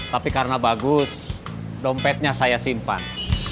tapi karena bagus dompetnya saya simpan